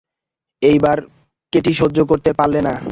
এইবার কেটি সহ্য করতে পারলে না।